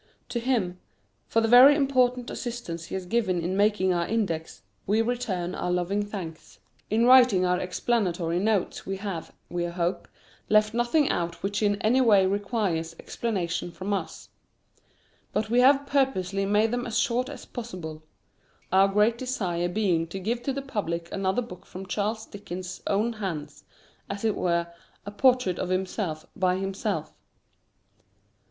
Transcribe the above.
To him, for the very important assistance he has given in making our Index, we return our loving thanks. In writing our explanatory notes we have, we hope, left nothing out which in any way requires explanation from us. But we have purposely made them as short as possible; our great desire being to give to the public another book from Charles Dickens's own hands as it were, a portrait of himself by himself.